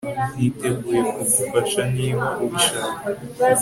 Niteguye kugufasha niba ubishaka